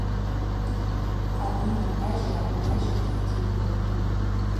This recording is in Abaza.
Агӏвыма льажьа льажьата йгьибум.